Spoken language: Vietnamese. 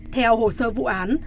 theo hồ sơ vụ án